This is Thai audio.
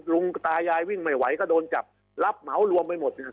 ตายายวิ่งไม่ไหวก็โดนจับรับเหมารวมไปหมดเนี่ย